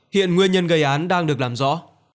hiện nguyên nhân gây án đang được làm rõ